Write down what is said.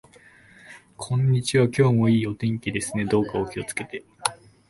こんにちは。今日も良い天気ですね。どうかお気をつけて。